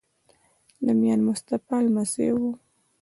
د میا مصطفی لمسی وو.